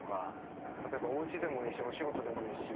例えばおうちでもいいしお仕事でもいいし。